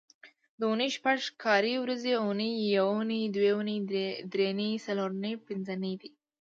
د اونۍ شپږ کاري ورځې اونۍ، یونۍ، دونۍ، درېنۍ، څلورنۍ، پینځنۍ دي